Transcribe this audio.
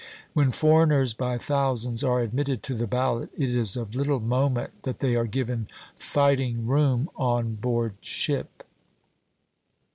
When foreigners by thousands are admitted to the ballot, it is of little moment that they are given fighting room on board ship.